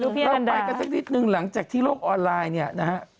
เราไปกันสักนิดนึงหลังจากที่โลกออนไลน์